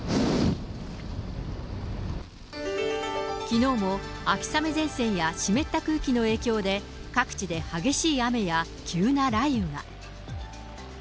きのうも秋雨前線や湿った空気の影響で、各地で激しい雨や急な雷雨が。